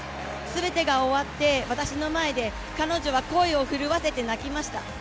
全てが終わって、私の前で彼女は声を震わせて泣きました。